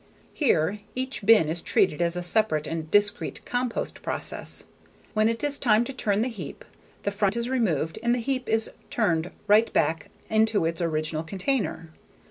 Here, each bin is treated as a separate and discrete compost process. When it is time to turn the heap, the front is removed and the heap is turned right back into its original container.